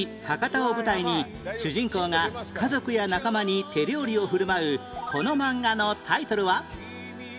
博多を舞台に主人公が家族や仲間に手料理を振る舞うこの漫画のタイトルは？